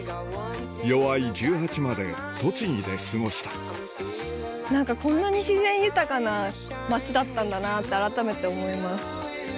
齢１８まで栃木で過ごした何かこんなに自然豊かな街だったんだなぁって改めて思います。